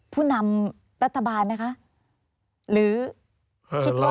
ผู้นำรัฐบาลไหมคะ